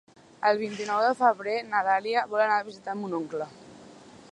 El vint-i-nou de febrer na Dàlia vol anar a visitar mon oncle.